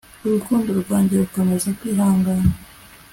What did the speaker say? urukundo rwanjye rukomeza kwihangana